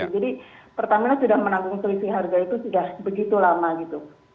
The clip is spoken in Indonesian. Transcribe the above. jadi pertamina sudah menanggung selisih harga itu sudah begitu lama gitu